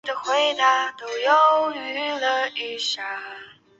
亦是香港西式熟食加工业的市场领导者。